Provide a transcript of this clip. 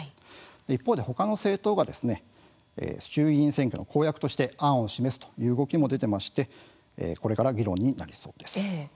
一方で、ほかの政党が衆議院選挙の公約として案を示すという動きも出てましてこれから議論になりそうです。